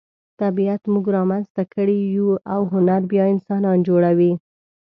طبیعت موږ را منځته کړي یو او هنر بیا انسانان جوړوي.